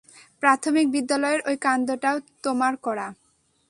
প্রাথমিক বিদ্যালয়ের ঐ কান্ডটাও তোমার করা?